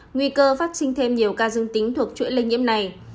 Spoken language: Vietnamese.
nguy cơ phát sinh thêm nhiều ca dương tính thuộc chuỗi lây nhiễm này